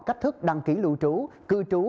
cách thức đăng ký lưu trú cư trú